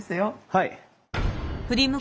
はい。